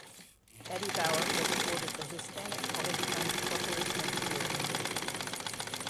Eddie Bauer was awarded the Hispanic College Fund Corporation of the Year award.